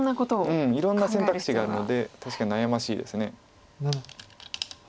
うんいろんな選択肢があるので確かに悩ましいです。